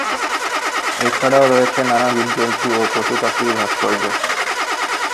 এছাড়াও রয়েছে নানা জীবজন্তু ও পশু-পাখির ভাস্কর্য।